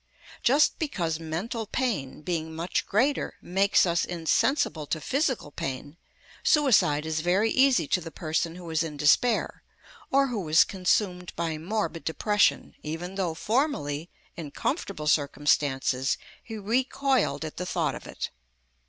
Just because mental pain, being much greater, makes us insensible to physical pain, suicide is very easy to the person who is in despair, or who is consumed by morbid depression, even though formerly, in comfortable circumstances, he recoiled at the thought of it.